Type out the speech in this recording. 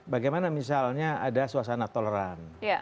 bagaimana misalnya ada suasana toleran